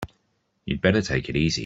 You'd better take it easy.